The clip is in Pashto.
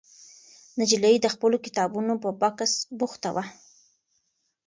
نجلۍ د خپلو کتابونو په بکس بوخته وه.